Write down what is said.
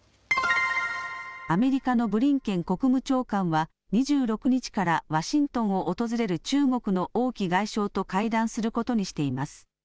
アメリカのブリンケン国務長官は２６日からワシントンを訪れる中国の王毅外相と会談することにしています。